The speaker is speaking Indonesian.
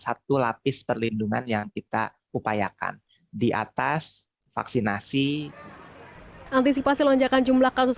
satu lapis perlindungan yang kita upayakan di atas vaksinasi antisipasi lonjakan jumlah kasus